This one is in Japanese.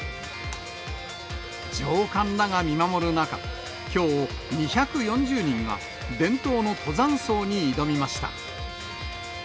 上官らが見守る中、きょう、２４０人が伝統の登山走に挑みました。